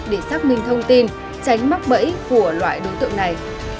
để xác minh thông tin tránh mắc bẫy của loại đối tượng này